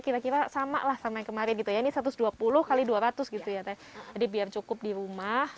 kira kira sama lah sama yang kemarin gitu ya ini satu ratus dua puluh kali dua ratus gitu ya teh jadi biar cukup di rumah